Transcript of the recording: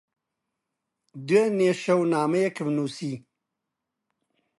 دوێنێ شەو نامەیەکم نووسی.